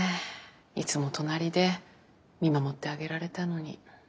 いつも隣で見守ってあげられたのに。